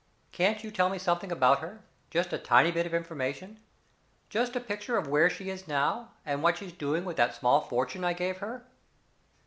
Can't you tell me something about her just a tiny bit of information. Just a picture of where she is now, and what she's doing with that small fortune I gave her."